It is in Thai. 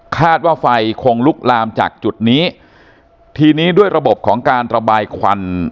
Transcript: ว่าไฟคงลุกลามจากจุดนี้ทีนี้ด้วยระบบของการระบายควัน